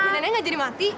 nenek nggak jadi mati